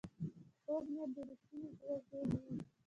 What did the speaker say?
کوږ نیت د رښتیني زړه ضد وي